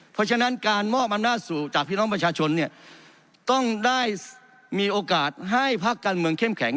เพราะฉะนั้นการมอบอำนาจสู่จากพี่น้องประชาชนเนี่ยต้องได้มีโอกาสให้พักการเมืองเข้มแข็ง